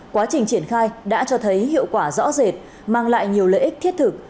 quá trình triển khai đã cho thấy hiệu quả rõ rệt mang lại nhiều lợi ích thiết thực